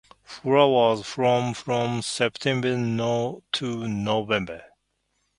Flowers form from September to November.